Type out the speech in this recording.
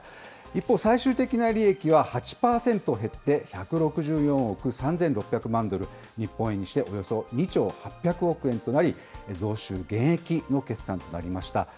一方、最終的な利益は８％減って１６４億３６００万ドル、日本円にしておよそ２兆８００億円となり、増収減益の決算となりました。